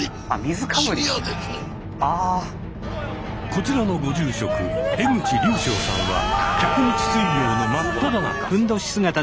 こちらのご住職江口隆晶さんは１００日水行の真っただ中。